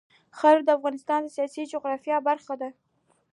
خاوره د افغانستان د سیاسي جغرافیه برخه ده.